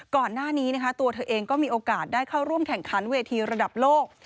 ก่อนหน้านี้นะคะตัวเธอเองก็มีโอกาสได้เข้าร่วมแข่งขันเวทีระดับโลก